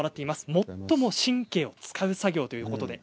最も神経を遣う作業ということです。